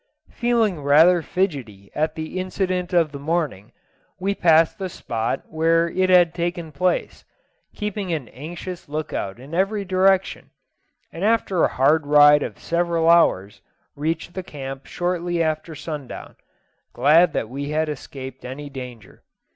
Feeling rather fidgetty at the incident of the morning, we passed the spot where it had taken place, keeping an anxious look out in every direction, and after a hard ride of several hours, reached the camp shortly after sundown, glad that we had escaped any disaster.